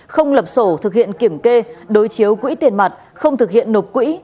không lập sổ thực hiện kiểm kê đối chiếu quỹ tiền mặt không thực hiện nộp quỹ